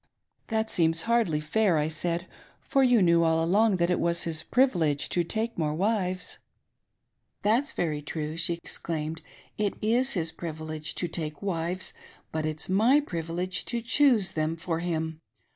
"That seems hardly fair," I said, " for you knew all along that it was his privilege to take more wives." " That's very true," she exclaimed, " it is his privilege to take wives, but it's m)t^ privilege to choose them for him.